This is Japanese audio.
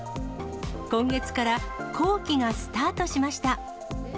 今月から後期がスタートしました。